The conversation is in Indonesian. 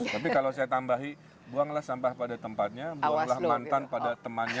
tapi kalau saya tambahi buanglah sampah pada tempatnya buanglah mantan pada temannya